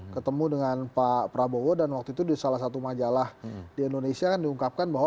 ketemu dengan pak prabowo dan waktu itu di salah satu majalah di indonesia kan diungkapkan bahwa